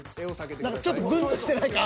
［何かちょっとグンとしてないか？］